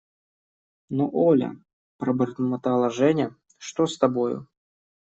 Но, Оля, – пробормотала Женя, – что с тобою?